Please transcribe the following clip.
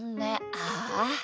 ああ。